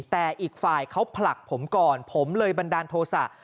แต่อีกฝ่ายเขาผลักผมก่อนผมเลยบันดาลโทษะ